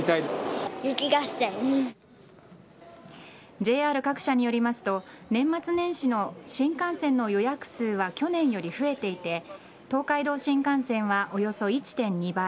ＪＲ各社によりますと年末年始の新幹線の予約数は去年より増えていて東海道新幹線はおよそ１．２倍